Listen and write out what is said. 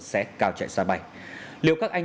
sẽ cao chạy xa bay liệu các anh